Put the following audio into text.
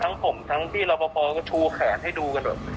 ทั้งผมทั้งพี่รอปภก็ชูแขนให้ดูกัน